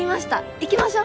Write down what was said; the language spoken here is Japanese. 行きましょう！